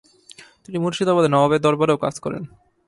তিনি মুর্শিদাবাদে নবাবের দরবারেও কাজ করেন।